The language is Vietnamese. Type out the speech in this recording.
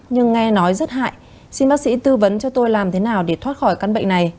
nhưng nghe nói rất hại xin bác sĩ tư vấn cho tôi làm thế nào để thoát khỏi căn bệnh này